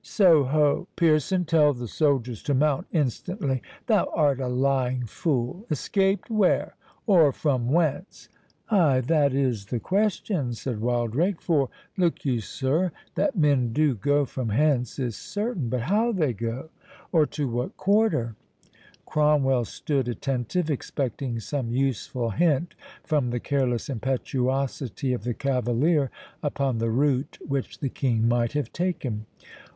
—So ho! Pearson! tell the soldiers to mount instantly.—Thou art a lying fool!—Escaped?—Where, or from whence?" "Ay, that is the question," said Wildrake; "for look you, sir—that men do go from hence is certain—but how they go, or to what quarter"— Cromwell stood attentive, expecting some useful hint from the careless impetuosity of the cavalier, upon the route which the King might have taken.